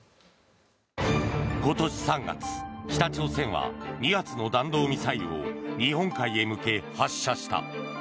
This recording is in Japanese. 今年３月北朝鮮は２発の弾道ミサイルを日本海へ向け発射した。